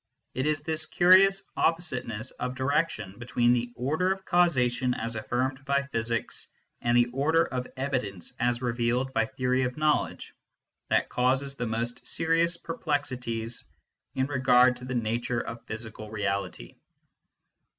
It is this curious oppositeness of direction between the order of causation as affirmed by physics, and the order of evidence as revealed by theory of knowledge, that causes the most serious perplexities in regard to the nature of physical reality.